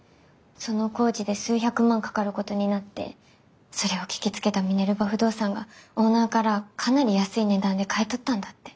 その工事で数百万かかることになってそれを聞きつけたミネルヴァ不動産がオーナーからかなり安い値段で買い取ったんだって。